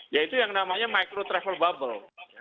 yaitu yang namanya micro travel bubble